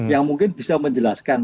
yang mungkin bisa menjelaskan